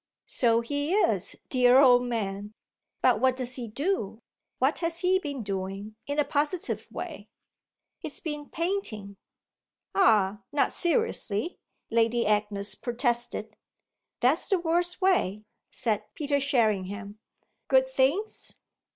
"So he is, dear old man. But what does he do, what has he been doing, in a positive way?" "He has been painting." "Ah not seriously!" Lady Agnes protested. "That's the worst way," said Peter Sherringham. "Good things?"